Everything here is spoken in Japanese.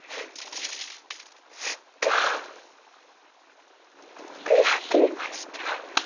ずっと悔やんでいました。